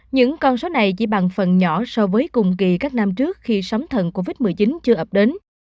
những con số này chỉ bằng phần nhỏ so với cùng kỳ các năm trước khi sóng thần covid một mươi chín chưa ập đến